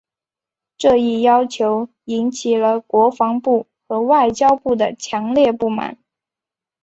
这一要求引起了国防部和外交部的强烈不满。